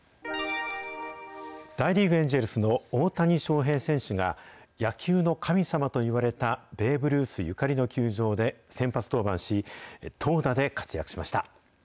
大リーグ・エンジェルスの大谷翔平選手が、野球の神様といわれたベーブ・ルースゆかりの球場で先発登板し、投打で活躍しました。